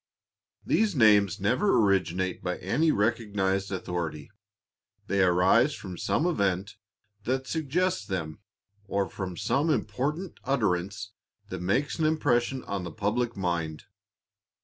These names never originate by any recognized authority. They arise from some event that suggests them, or from some important utterance that makes an impression on the public mind.